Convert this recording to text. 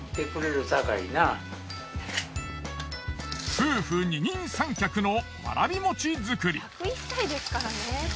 夫婦二人三脚のわらびもち作り。